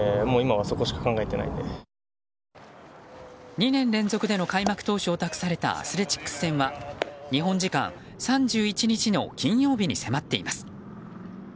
２年連続での開幕投手を託されたアスレチックス戦は日本時間３１日の金曜日に迫っています。